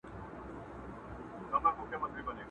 جهاني چي پکښي ستایي مرکې د شمله ورو.!